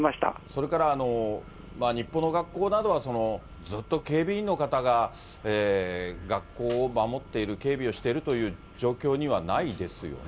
それから、日本の学校などは、ずっと警備員の方が学校を守っている、警備をしているという状況にはないですよね。